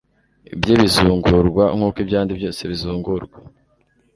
ibye bizungurwa nk'uko ibyabandi bose bizungurwa